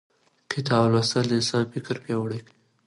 کتاب لوستل د انسان فکر پیاوړی کوي